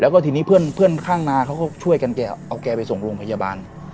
แล้วก็ทีนี้เพื่อนข้างนาเขาก็ช่วยกันแกเอาแกไปส่งโรงพยาบาล